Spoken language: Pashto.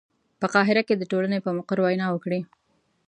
په قاهره کې د ټولنې په مقر کې وینا وکړي.